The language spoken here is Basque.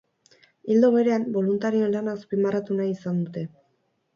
Ildo berean, boluntarioen lana azpimarratu nahi izan dute.